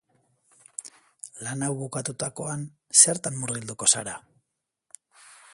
Lan hau bukatutakoan, zertan murgilduko zara?